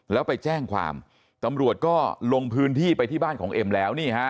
แล้วไปแจ้งความตำรวจก็ลงพื้นที่ไปที่บ้านของเอ็มแล้วนี่ฮะ